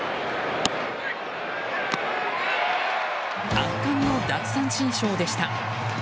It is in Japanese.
圧巻の奪三振ショーでした。